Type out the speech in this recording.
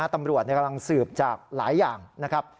ตำรวจกำลังสืบจากหลายอย่างนะครับ